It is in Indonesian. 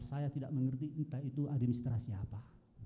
saya tidak mengerti entah itu administrasi apa